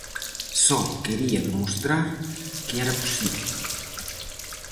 Só quería demostrar que era posible.